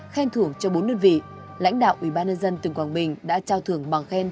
khen thưởng cho bốn đơn vị lãnh đạo ubnd tỉnh quảng bình đã trao thưởng bằng khen